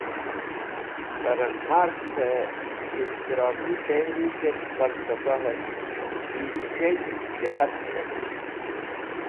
Karl Markse Ishtiraki Tehriket Falsafaher yi S̃hẽghd Jahat dhet.